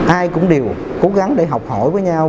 ai cũng đều cố gắng để học hỏi với nhau